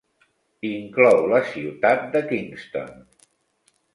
Inclou la ciutat de Kingston.